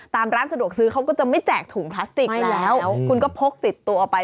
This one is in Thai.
ร้านสะดวกซื้อเขาก็จะไม่แจกถุงพลาสติกอยู่แล้วคุณก็พกติดตัวไป